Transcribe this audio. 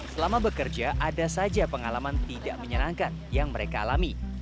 selama bekerja ada saja pengalaman tidak menyenangkan yang mereka alami